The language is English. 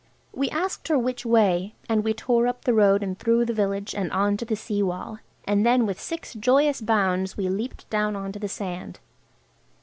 We asked her which way, and we tore up the road and through the village and on to the sea wall, and then with six joyous bounds we leaped down on to the sand.